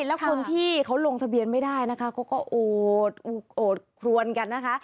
แล้วคนที่เขาลงทะเบียนไม่ได้นะคะเขาก็โอดโอดครวนกันนะคะ